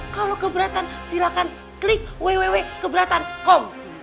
kalo keberatan silahkan klik www keberatan com